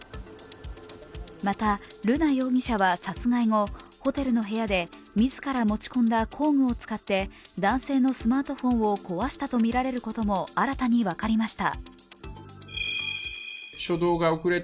また、瑠奈容疑者は殺害後、ホテルの部屋で、自ら持ち込んだ工具を使って男性のスマートフォンを壊したとみられることも新たに分かりました。